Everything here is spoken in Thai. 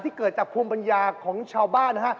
ที่เกิดจากภูมิบัญญาของชาวบ้าน